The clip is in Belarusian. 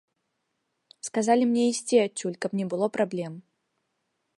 Сказалі мне ісці адсюль, каб не было праблем.